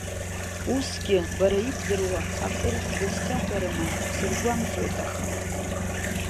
Усгьы, бара ибдыруа акыр бызсаҳәарыма, бсыргәамҵуеит аха?